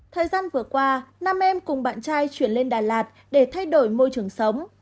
thời gian vừa qua nam em cùng bạn trai chuyển lên đà lạt để thay đổi môi trường sống